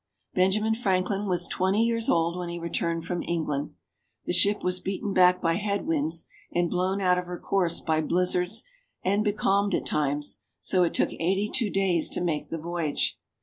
Benjamin Franklin was twenty years old when he returned from England. The ship was beaten back by headwinds and blown out of her course by blizzards, and becalmed at times, so it took eighty two days to make the voyage.